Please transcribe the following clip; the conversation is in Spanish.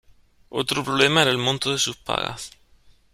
Otro problema era el monto de sus pagas.